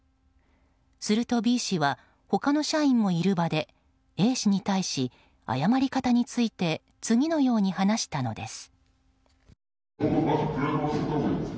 するとＢ氏は他の社員もいる場でＡ氏に対し謝り方について次のように話したのです。